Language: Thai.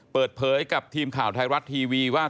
เปิดเผยกับทีมข่าวไทยรัฐทีวีว่า